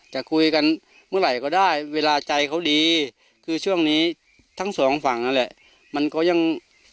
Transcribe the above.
จะคุยกันเมื่อไหร่ก็ได้เวลาใจเขาดีคือช่วงนี้ทั้งสองฝั่งนั่นแหละมันก็ยัง